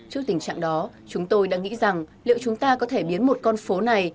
trước tình trạng đó chúng tôi đã nghĩ rằng liệu chúng ta có thể biến một con phố này